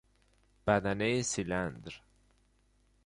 بدنه سیلندر